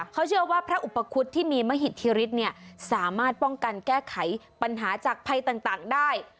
เขาเชื่อว่าพระอุปคุฎที่มีมหิตธิฤทธิ์เนี่ยสามารถป้องกันแก้ไขปัญหาจากภัยต่างได้